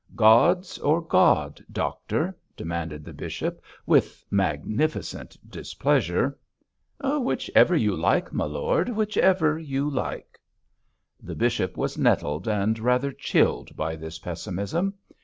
'Gods or God, doctor?' demanded the bishop, with magnificent displeasure. 'Whichever you like, my lord; whichever you like.' The bishop was nettled and rather chilled by this pessimism.